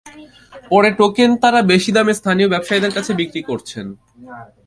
পরে সেই টোকেন তাঁরা বেশি দামে স্থানীয় ব্যবসায়ীদের কাছে বিক্রি করছেন।